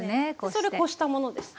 それこしたものです。